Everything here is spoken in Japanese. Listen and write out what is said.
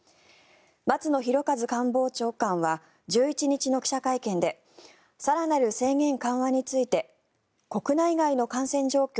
松野博一官房長官は１１日の記者会見で更なる制限緩和について国内外の感染状況